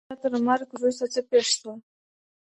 د نادر شاه تر مرګ وروسته څه پېښ سول؟